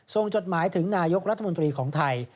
จดหมายถึงนายกรัฐมนตรีของไทย